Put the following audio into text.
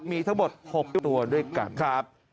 มีทั้งหมด๖ตัวด้วยกันครับ